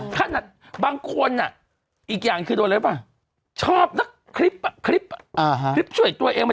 ถ้าบางคนอ่ะอีกอย่างคือตัวอะไรรึเปล่า